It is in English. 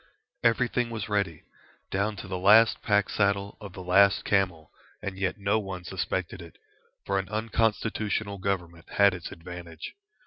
Everything was ready, down to the last pack saddle of the last camel, and yet no one suspected it, for an unconstitutional Government has its advantage.